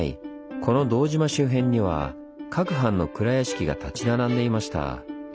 この堂島周辺には各藩の蔵屋敷が立ち並んでいました。